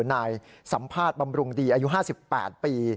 นายสัมภาษณ์บำรุงดีอายุ๕๘ปี